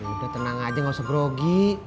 udah tenang aja nggak usah grogi